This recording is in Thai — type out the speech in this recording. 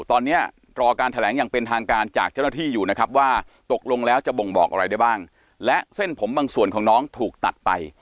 ตอนนี้รอการแถลงอย่างเป็นทางการจากเจ้าหน้าที่อยู่นะครับว่าตกลงแล้วจะบ่งบอกอะไรได้บ้างและเส้นผมบางส่วนของน้องถูกตัดไป